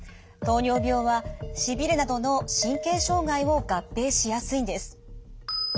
糖尿病はしびれなどの神経障害を合併しやすいんです。